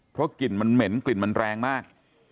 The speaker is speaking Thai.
เพราะกลิ่นมันเหม็นกลิ่นมันแรงมาก